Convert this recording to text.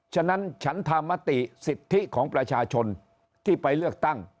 ฉะนั้นฉันธรรมติสิทธิของประชาชนที่ไปเลือกตั้ง